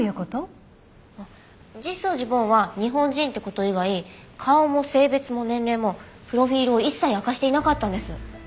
あっ実相寺梵は日本人って事以外顔も性別も年齢もプロフィールを一切明かしていなかったんです。